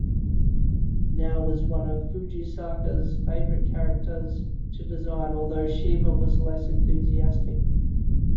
Nowe was one of Fujisaka's favorite characters to design, although Shiba was less enthusiastic.